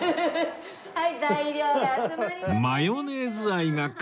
マヨネーズ愛が空回り